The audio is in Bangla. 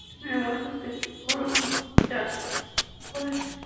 তুমি আমার কাছে একটি বড় যাঞ্চা করেছ।